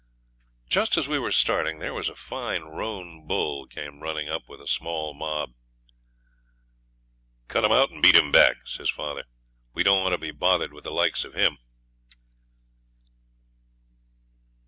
Just as we were starting there was a fine roan bull came running up with a small mob. 'Cut him out, and beat him back,' says father; 'we don't want to be bothered with the likes of him.'